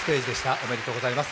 おめでとうございます。